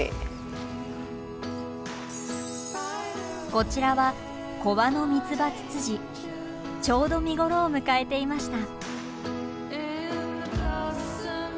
こちらはちょうど見頃を迎えていました。